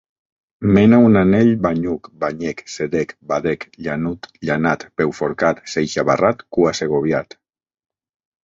Mena un anyell banyuc, banyec, sedec, badec, llanut, llanat, peuforcat, xeixabarrat, cua-segoviat.